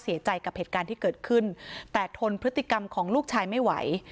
เสียใจกับเหตุการณ์ที่เกิดขึ้นแต่ทนพฤติกรรมของลูกชายไม่ไหว